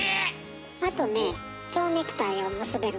あとねちょうネクタイを結べる。